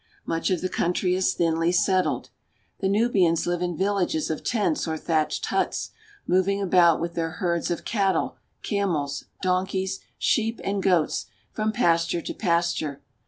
Much of the country is thinly settled. The Nubians live in villages of tents or thatched huts, moving about with their herds of cattle, camels, donkeys, sheep, and goats from pasture to pasture.